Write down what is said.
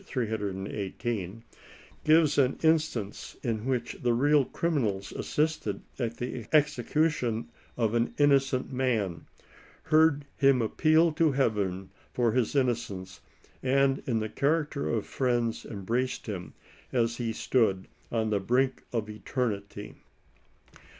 318,) gives an instance in which the real criminals assisted at the execution of an innocent man, "heard him appeal to Heaven for his innocence, and in the character of friends embraced him as he stood on the brink of eternity."